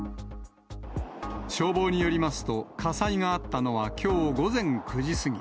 消防によりますと、火災があったのはきょう午前９時過ぎ。